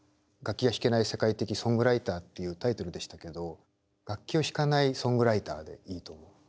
「楽器が弾けない世界的ソングライター」っていうタイトルでしたけど「楽器を弾かないソングライター」でいいと思う。